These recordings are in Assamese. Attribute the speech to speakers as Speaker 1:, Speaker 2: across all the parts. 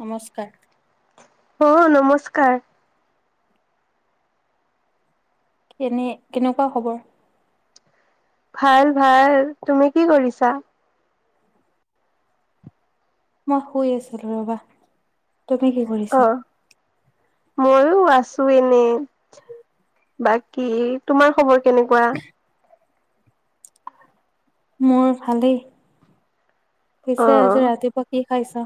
Speaker 1: নমস্কাৰ।
Speaker 2: অ নমস্কাৰ।
Speaker 1: কেনে কেনেকুৱা খবৰ।
Speaker 2: ভাল ভাল তুমি কি কৰিছা।
Speaker 1: মই শুই আছিলো ৰবা। তুমি কি
Speaker 2: অ
Speaker 1: কৰিছা
Speaker 2: ময়ো আছো এনে। বাকী তোমাৰ খবৰ কেনেকুৱা।
Speaker 1: মোৰ ভালেই
Speaker 2: অ
Speaker 1: পিছে আজি ৰাতিপুৱা কি খাইছ।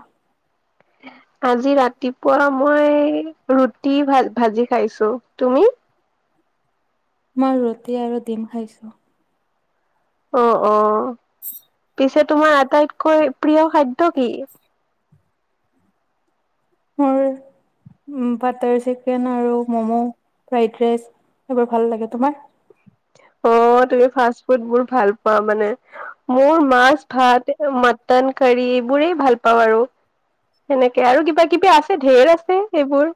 Speaker 2: আজি ৰাতিপুৱা। মই ৰুটি ভ ভাজি খাইছো তুমি।
Speaker 1: মই ৰুটি আৰু ডিম খাইছো।
Speaker 2: অ অ পিছে তোমাৰ আটাইতকৈ প্ৰিয় খাদ্য কি।
Speaker 1: মোৰ বাটাৰ চিকেন আৰু মমো ফ্ৰাইড ৰাইচ। এইবাৰ ভাল লাগে তোমাৰ।
Speaker 2: অ তুমি ফাষ্ট ফুড মোৰ ভাল পোৱা মানে মোৰ মাছ ভাত। মটন কাৰী এইবোৰেই ভাল পাওঁ আৰু। সেনেকে আৰু কিবা কিবি আছে ঢেৰ আছে সেইবোৰ।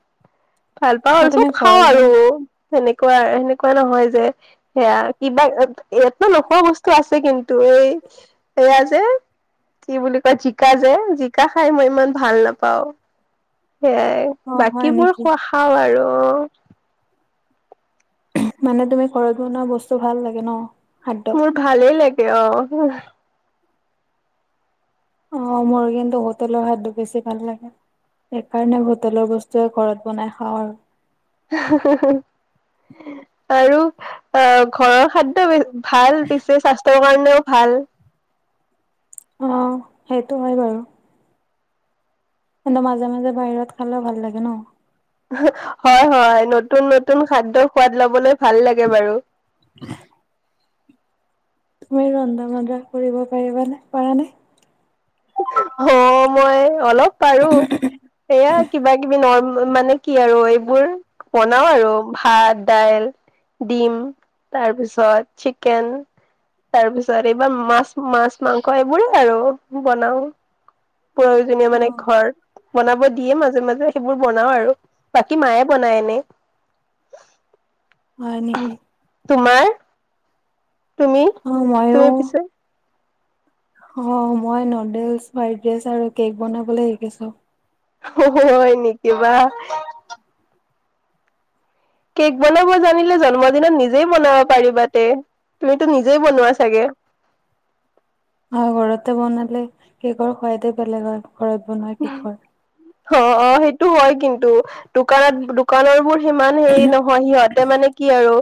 Speaker 2: ভাল পা হ'ল
Speaker 1: অ তুমি
Speaker 2: চব খাওঁ
Speaker 1: ঘৰত বন
Speaker 2: আৰু সেনেকুৱা সেনেকুৱা নহয় যে। সেয়া কিবা ইয়াত ন নোখোৱা বস্তু আছে কিন্তু এই সেয়া যে। কি বুলি কয় জিকা যে জিকা খাই মই ইমান ভাল নাপাও। সেয়াই
Speaker 1: অ হয়
Speaker 2: বাকীবোৰ
Speaker 1: নেকি
Speaker 2: খোৱা খাও আৰু।
Speaker 1: মানে তুমি ঘৰত বনোৱা বস্তু ভাল লাগে ন। খাদ্য
Speaker 2: মোৰ ভালেই লাগে অ।
Speaker 1: অ মোৰ কিন্তু হোটেলৰ হাতটো বেছি ভাল লাগে। সেইকাৰণে হোটেলৰ বস্তুৱে ঘৰত বনাই খাওঁ আৰু।
Speaker 2: আৰু অ ঘৰৰ খাদ্য। ভাল পিছে স্বাস্থ্যৰ কাৰণেও ভাল
Speaker 1: অ সেইটো হয় বাৰু। কিন্তু মাজে মাজে বাহিৰত খালেও ভাল লাগে ন।
Speaker 2: হয় হয় নতুন নতুন খাদ্য সোৱাদ লবলৈ। ভাল লাগে বাৰু।
Speaker 1: তুমি ৰন্ধা বন্ধা কৰিব পাৰিবানে পাৰ নাই।
Speaker 2: অ মই অলপ। পাৰো এয়া কিবা কিবি ন মানে কি আৰু এই। এইবোৰ বনাও আৰু ভাত দাইল। ডিম তাৰপিছত চিকেন। তাৰ পিছত এইবাৰ মাছ মাছ মাংস এইবোৰে আৰু। বনাও প্ৰয়োজনীয় মানে
Speaker 1: অ',
Speaker 2: ঘৰ বনাব দিয়ে মাজে মাজে। সেইবোৰ বনাও আৰু বাকী মায়ে বনাই এনে।
Speaker 1: হয় নেকি।
Speaker 2: তোমাৰ তুমি
Speaker 1: অ মইয়ো
Speaker 2: তুমি পিছে।
Speaker 1: অ মই নুডলছ ফ্ৰাইড ৰাইচ আৰু কেক বনাবলৈ শিকিছো।
Speaker 2: হয় নেকিবা। কেক বনাব জানিলে জন্মদিনত নিজেই বনাব পাৰিবা তে। তুমিতো নিজেই বনোৱা চাগে?
Speaker 1: অ ঘৰতে বনালে কেকৰ সোৱাদেই বেলেগ হয় ঘৰত বনোৱা কেকৰ
Speaker 2: অ অ সেইটো হয় কিন্তু। দোকানত দোকানৰ বোৰ সিমান হেৰি নহয় সিহঁতে মানে কি আৰু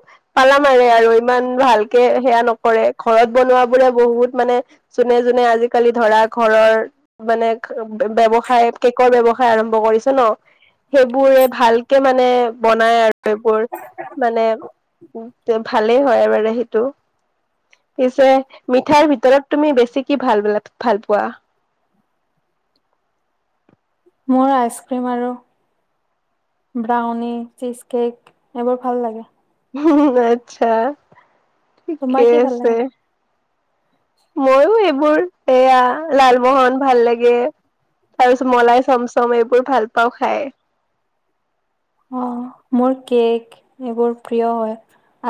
Speaker 2: পালা মাৰে আৰু ইমান ভাল- কে সেয়া নকৰে ঘৰত বনোৱা বোৰে বহুত মানে যোনে যোনে আজিকালি ধৰা ঘৰৰ মানে ব্যৱসায় কেকৰ ব্যৱসায় আৰম্ভ কৰিছ ন, সেইবোৰে ভালকে মানে বনাই আৰু এইবোৰ মানে ভালেই হয়বাৰে সেইটো পিছে মিঠাইৰ ভিতৰত তুমি বেছি কি ভাল ভাল পোৱা?
Speaker 1: মোৰ আইচ ক্ৰ্ৰীম আৰু ব্ৰাউনি, চীজ কেক এইবোৰ ভাল লাগে
Speaker 2: উ আচ্ছা
Speaker 1: তোমাৰ
Speaker 2: ঠিকে
Speaker 1: কি ভাল
Speaker 2: আছে।
Speaker 1: লাগে?
Speaker 2: ময়ো এইবোৰ এয়া লালমোহন ভাল লাগে। তাৰ পিছত মলাই চম চম এইবোৰ ভাল পাওঁ খাই
Speaker 1: অ মোৰ কেক এইবোৰ প্ৰিয় হয়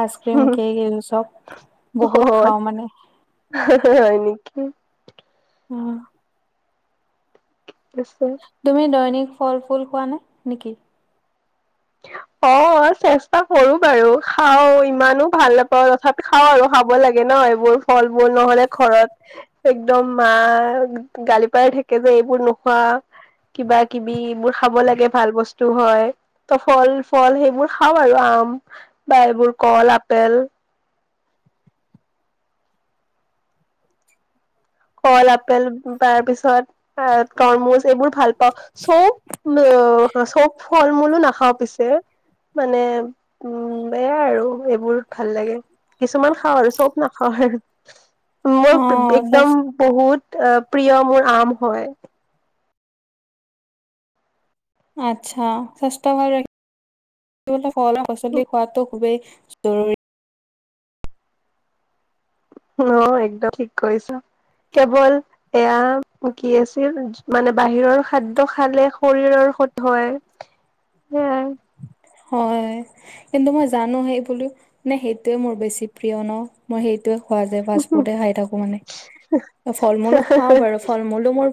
Speaker 1: আইচক্ৰীম কেক এই চব
Speaker 2: অ'
Speaker 1: বহুত খাওঁ মানে।
Speaker 2: হয় নেকি।
Speaker 1: উম।
Speaker 2: আছে।
Speaker 1: তুমি দৈনিক ফল ফুল খোৱা নে নেকি?
Speaker 2: অ চেষ্টা কৰো বাৰু খাও ইমানো ভাল নাপাওঁ তথাপি খাওঁ আৰু খাব লাগে ন এইবোৰ ফল মূল নহলে ঘৰত একদম মা গালি পাৰ থাকে যে এইবোৰ নোখোৱা কিবা কিবি মোৰ খাব লাগে ভাল বস্তু হয় ত ফল ফল সেইবোৰ খাওঁ আৰু আম বা এইবোৰ কল আপেল কল আপেল তাৰ পিছত তৰমুজ এইবোৰ ভাল পাওঁ, চব চব ফল মূলো নাখাওঁ পিছে মানে উম বেয়া আৰু এইবোৰ ভাল লাগে। কিছুমান খাওঁ আৰু চব নাখাওঁ আৰু মই
Speaker 1: অ',
Speaker 2: একদম
Speaker 1: স্বাস-
Speaker 2: বহুত প্ৰিয় মোৰ আম হয়
Speaker 1: আচ্ছা স্বাস্থ্য ভাল ৰাখিবলে ফল আৰু ফচলি খোৱাতো খুবেই জৰুৰী
Speaker 2: অ একদম ঠিক কৈছ কেৱল এয়া কি আছিল মানে বাহিৰৰ খাদ্য খালে শৰীৰৰ। [unintelligible] সেয়াই
Speaker 1: হয় কিন্তু মই জানো সেই বোলো নে সেইটোয়ে মোৰ বেছি প্ৰিয় ন মই সেই সেইটোৱে খোৱা যায় ফাষ্ট ফুডে খাই থাকো মানে, ফল মূলো খাওঁ বাৰু ফল মূলো মোৰ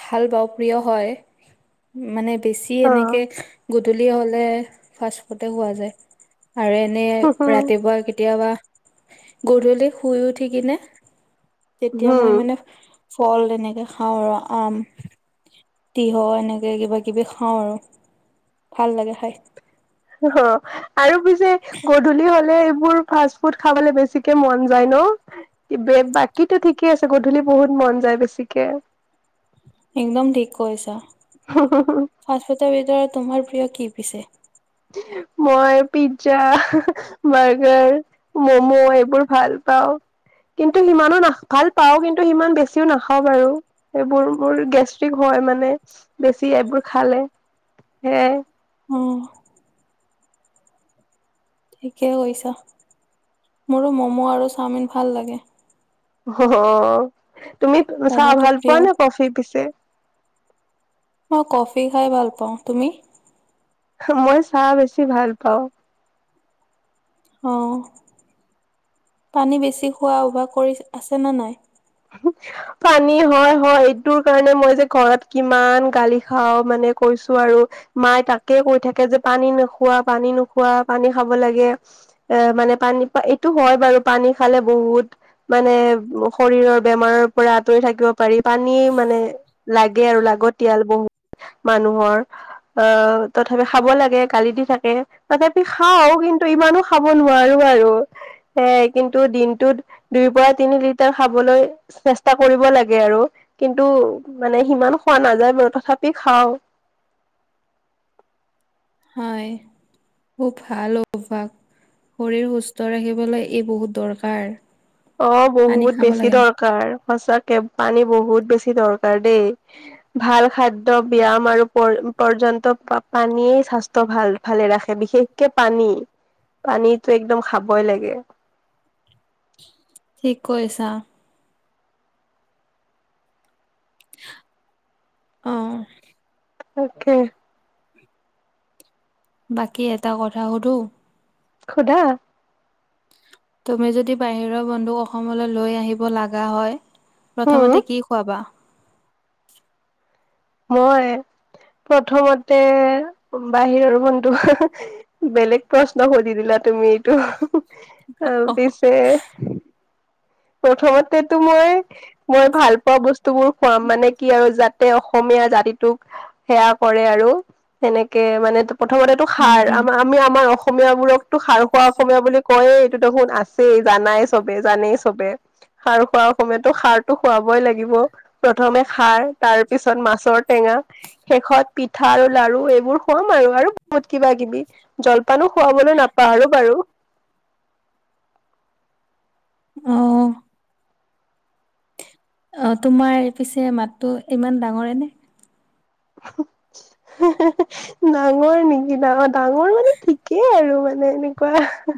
Speaker 1: ভাল পাওঁ প্ৰিয় হয় মানে বেছি এনেকে গধুলী হ'লে ফাষ্ট ফুডেই হোৱা যায় আৰু এনেই
Speaker 2: অ
Speaker 1: ৰাতিপুৱা কেতিয়াবা গধূলি শুই উঠ কিনে তেতিয়া মই
Speaker 2: হম
Speaker 1: মানে ফল তেনেকে খাওঁ আৰু আম তিয়হ এনেকে কিবা কিবি খাওঁ আৰু। ভাল লাগে খাই।
Speaker 2: অ আৰু পিছে গধূলি হলে ফাষ্ট ফুড খাবলে বেছিকে মন যায় ন, বাকীটো ঠিকে আছে গধূলি বহুত মন যায় বেছিকে।
Speaker 1: [inaudible] একদম ঠিক কৈছা। ফাষ্টফুডৰ ভিতৰত তোমাৰ প্ৰিয় কি পিছে?
Speaker 2: মই পিজ্জা, বাৰ্গাৰ, ম'ম এইবোৰ ভাল পাওঁ। কিন্তু সিমানো না ভাল পাওঁ কিন্তু সিমান বেছিও নাখাওঁ বাৰু এইবোৰ মোৰ গেষ্ট্ৰিক হয় হয় মানে বেছি এইবোৰ খালে সেয়াই
Speaker 1: উম। ঠিকেই কৈছা।
Speaker 2: অ তুমি চাহ
Speaker 1: ম'ম'টো
Speaker 2: ভাল পোৱা
Speaker 1: প্ৰিয়
Speaker 2: নে কফি পিছে?
Speaker 1: মই কফি খাই ভাল পাওঁ, তুমি?
Speaker 2: মই চাহ বেছি ভাল পাওঁ।
Speaker 1: অ পানী বেছি খোৱা অভাস কৰি আছে নে নাই
Speaker 2: পানী হয় হয় এইটোৰ কাৰণে মই যে ঘৰত কিমান গালি খাও মানে কৈছো নোৱাৰোঁ মায়ে তাকে কৈ থাকে যে পানী নোখোৱা পানী নোখোৱা পানী খাব লাগে এ মানে পানী এইটো হয় বাৰু পানী খালে বহুত মানে শৰীৰৰ আমৰ পৰা আঁতৰি থাকিব পাৰি, পানী মানে লাগে আৰু লাগতিয়াল মানুহৰ অ তথাপি খাব লাগে গালি থাকে তাকে আমি খাও কিন্তু ইমানো খাব নোৱাৰো আৰু এ কিন্তু দিনটোত দুই পৰা তিনি লিটাৰ খাবলৈ চেষ্টা কৰিব লাগে আৰু কিন্তু মানে সিমান খোৱা নাযায় বাৰু তথাপি খাওঁ
Speaker 1: হয় খুব ভাল অভ্যাস শৰীৰ সুস্থ ৰাখিবলৈ ই বহুত দৰকাৰ
Speaker 2: অ
Speaker 1: পানী
Speaker 2: বহুত
Speaker 1: খাব
Speaker 2: বেছি
Speaker 1: লাগে
Speaker 2: দৰকাৰ সচাঁকে পানী বহুত বেছি দৰকাৰ দেই ভাল খাদ্য ব্যায়াম আৰু পৰ্যন্ত পানীয়ে স্বাস্থ্য ভাল ভালে ৰাখে বিশেষকে পানী পানীতো একদম খাবই লাগে
Speaker 1: [inaudible] কৈছা অহ
Speaker 2: তাকে
Speaker 1: বাকী এটা কথা সুধো?
Speaker 2: সুধা।
Speaker 1: তুমি যদি বাহিৰৰ বন্ধুক অসমলৈ লৈ আহিব লগা হয়
Speaker 2: উম,
Speaker 1: প্ৰথমতে কি খুৱাবা?
Speaker 2: মই প্ৰথমতে বাহিৰৰ বন্ধু বেলেগ প্ৰশ্ন সুধি দিলা তুমি এইটো। পিছে প্ৰথমতেটো মই মই ভাল পোৱা বস্তু বোৰ খুৱাম মানে কি আৰু জ অসমীয়া জাতিটোক সেয়া কৰে আৰু সেনেকে মানে প্ৰথমতেটো
Speaker 1: হয়
Speaker 2: খাৰ
Speaker 1: দিয়া
Speaker 2: আমাৰ আমি আমাৰ অসমীয়া বোৰকতো সাৰ খোৱা অসমীয়া বুলি কয় এইটো দেখোন আছেই। জানাই চবে জানেই চবে। খাৰ খোৱাৰ সময়তো খাৰটো খুৱাবই লাগিব প্ৰথমে খাৰ তাৰপিছত মাছৰ টেঙা। শেষত পিঠা আৰু লাৰু এইবোৰ খুৱাম আৰু আৰু বহুত কিবা কিবি, জল পানো খোৱাবলৈ নাপাহ আৰু বাৰু।
Speaker 1: অহ। অ তোমাৰ পিছে মাতটো ইমান ডাঙৰে নে?
Speaker 2: ডাঙৰ নেকি ডাঙৰ ডাঙৰ মানে ঠিকেই আৰু মানে। মানে এনেকুৱা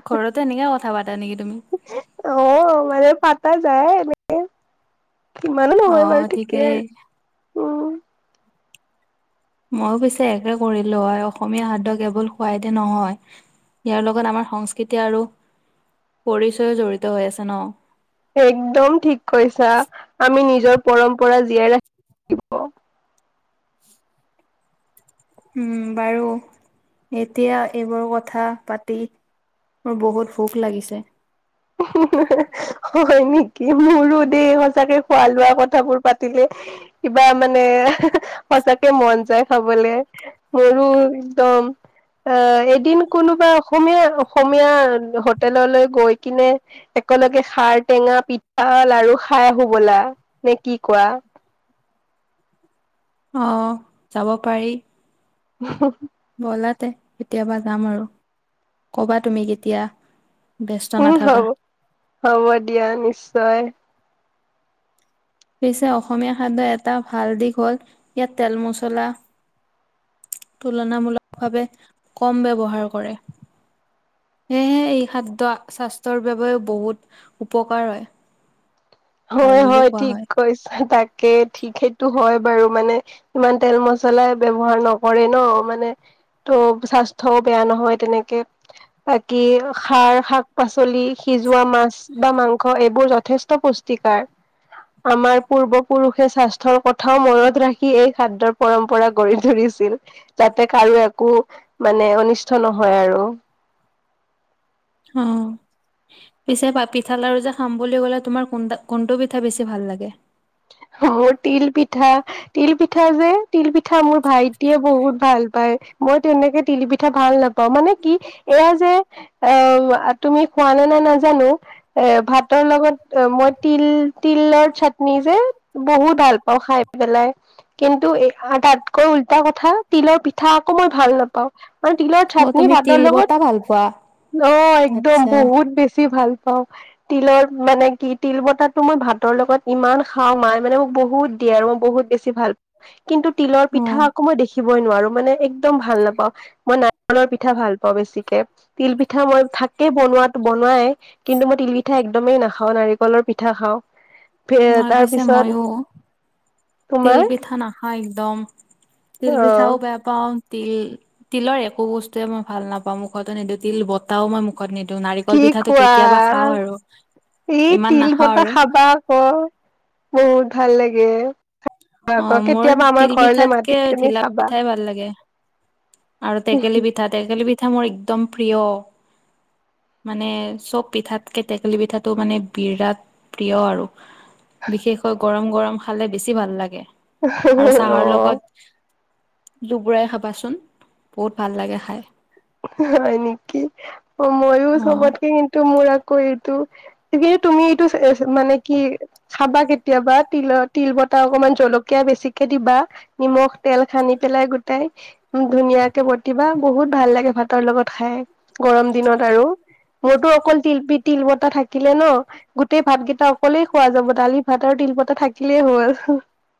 Speaker 1: ঘৰতো এনেকে কথা পাতা নেকি তুমি?
Speaker 2: আহ মানে পাতা যায় এনেকে। ইমানো নহয় বাৰু ঠিকেই আৰু উম।
Speaker 1: মইও পিছে একে কৰিলো হয় অসমীয়া খাদ্য কেৱল খোৱাই দে নহয়। ইয়াৰ লগত আমাৰ সংস্কৃতি আৰু পৰিচয়ো জড়িত হৈ আছে ন।
Speaker 2: একদম ঠিক কৈছা আমি নিজৰ পৰম্পৰা জীয়াই ৰাখিব
Speaker 1: উম বাৰু এতিয়া এইবোৰ কথা পাতি মোৰ বহুত ভুক লাগিছে।
Speaker 2: [unintelligible] অ হয় নেকি? সঁচাকে মন যায় খাবলে। মোৰো একদম আহ এদিন কোনোবা অসমীয়া অসমীয়া হোটেললৈ গৈ কিনে একেলগে খাৰ টেঙা পিঠা লাৰু খাই আহো ব'লা নে কি কোৱা।
Speaker 1: আহ যাব পাৰি।
Speaker 2: [inaudible]
Speaker 1: বলাতে কেতিয়াবা যাম আৰু কবা তুমি কেতিয়া। ব্যস্ত
Speaker 2: উম
Speaker 1: নাথাকা
Speaker 2: হব হ'ব দিয়া নিশ্চয়।
Speaker 1: পিছে অসমীয়া খাদ্যৰ এটা ভাল দিশ হ'ল ইয়াত তেল মছলা তুলনামূলকভাৱে কম ব্যৱহাৰ কৰে। সেয়েহে এই খাদ্য স্বাস্থ্যৰ বাবেও বহুত উপকাৰ হয়।
Speaker 2: হয়
Speaker 1: ভাল বুলিও কোৱা
Speaker 2: ঠিক
Speaker 1: হয়।
Speaker 2: কৈছা তাকে ঠিক সেইটো হয় বাৰু মানে ইমান তেল মছলাই ব্যৱহাৰ নকৰে ন। অ মানে ত' স্বাস্থ্যও বেয়া নহয় তেনেকে। বাকি খাৰ, শাক পাচলি, সিজোৱা মাছ বা মাংস এইবোৰ যথেষ্ট পুষ্টিকাৰ। আমাৰ পূৰ্বপুৰুষ স্বাস্থ্যৰ কথাও মনত ৰাখি এই খাদ্যৰ পৰম্পৰা গঢ়ি তুলিছিল যাতে কাৰো এক একো মানে অনিষ্ট নহয় আৰু।
Speaker 1: অ। পিছে পা‌ পিঠা লাৰু যে খাম বুলি ক'লা তোমাৰ কোনতা কোনটো পিঠা বেছি ভাল লাগে?
Speaker 2: অ তিল পিঠা, তিল পিঠা যে তিল পিঠা মোৰ ভাইটিয়ে বহুত ভাল পায়, মই তেনেকে তিল পিঠা ভাল নাপাওঁ, মানে কি এয়া যে অ তুমি খোৱা নে নে নাজানো এ ভাতৰ লগত মই তিল তিলৰ চাট নিজে বহুত ভাল পাওঁ খাই পেলাই কিন্তু এ তাতকৈ উল্টা কথা। তিলৰ পিঠা আকৌ মই ভাল নাপাওঁ, মই তিলৰ
Speaker 1: অ
Speaker 2: চাটনি
Speaker 1: তুমি
Speaker 2: ভাতৰ
Speaker 1: তিল
Speaker 2: লগত
Speaker 1: বতাহ ভাল পোৱা
Speaker 2: অ একদম
Speaker 1: আচ্ছা
Speaker 2: বহুত বেছি ভাল অ তিলৰ মানে কি তিল বতাহটো মই ভাতৰ লগত ইমান খাও মাই মানে মোক বহুত দিয়ে আৰু মই বহুত বেছি ভাল পা‌ কিন্তু তিলৰ
Speaker 1: অ
Speaker 2: পিঠা আকৌ মই দেখি দেখিবই নোৱাৰো মানে একদম ভাল নাপাওঁ মই নাৰিকলৰ পিঠা ভাল পাওঁ বেছিকে তিল পিঠা মই, থাকেই বনোৱাত বৱনাই কিন্তু মই তিল পিঠা একদমেই নাখাওঁ নাৰিকলৰ পিঠা খাওঁ
Speaker 1: মই
Speaker 2: তাৰ
Speaker 1: পিছে
Speaker 2: পিছত
Speaker 1: ময়ো তিল
Speaker 2: তোমাৰ
Speaker 1: পিঠা নাখাও একদম
Speaker 2: অ
Speaker 1: তিল পিঠাও বেয়া পাওঁ তিল তিলৰ একো বস্তুৱে মই ভাল নাপাওঁ মুখতো নিদিওঁ তিল বতটাও মই মুখত নিদ। টৌ নাৰিকল
Speaker 2: কি
Speaker 1: পিঠাটো
Speaker 2: কোৱা
Speaker 1: কেতিয়াবা খাওঁ আৰু ইমান নাখাওঁ আৰু।
Speaker 2: অ বহুত ভাল লাগে।
Speaker 1: অ
Speaker 2: আকৌ
Speaker 1: মোৰ
Speaker 2: কেতিয়াবা আমাৰ
Speaker 1: তিল
Speaker 2: ঘৰলে মাতি
Speaker 1: পিঠাতকে
Speaker 2: তুমি
Speaker 1: ঢিলা
Speaker 2: চাবা
Speaker 1: পিঠাই ভাল লাগে। আৰু টেকেলি পিঠা টেকেলি পিঠা মোৰ একদম প্ৰিয়। মানে চব পিঠাত কে টেকেলি পিঠাটো মানে বিৰাট প্ৰিয় আৰু। বিশেষকৈ গৰম গৰম খালে বেছি ভাল লাগে। আৰু
Speaker 2: অ
Speaker 1: চাহৰ লগত লুবুৰাই খাবাচোন বহুত ভাল লাগে খাই।
Speaker 2: হয় নেকি অ মইয়ো
Speaker 1: অ
Speaker 2: চবতকে কিন্তু মোৰ এইটো তুমি এইটো মানে কি খাবা কেতিয়াবা তিলৰ তিল বত টা অকমান জলকীয়া বেছিকে দিবা নিমখ তেল সানি পেলাই গোটাই ধুনীয়াকে বটিবা বহুত ভাল লাগে ভাতৰ লগত খাই। গৰম দিনত আৰু মোৰতো অকল তিলপিত তিল পতা থাকিলে ন গোটেই ভাতকেইটা অকলেই খোৱা যাব দালি ভাত আৰু তিল পতা থাকিলেই হ'ল। স